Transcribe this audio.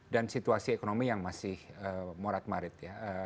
situasi ekonomi yang masih morat marit ya